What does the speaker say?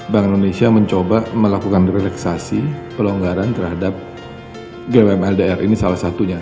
bank indonesia mencoba melakukan relaksasi kelonggaran terhadap gwmldr ini salah satunya